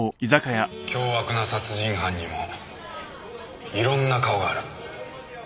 凶悪な殺人犯にもいろんな顔がある。